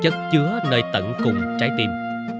chất chứa nơi tận cùng trái tim